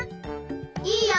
いいよ！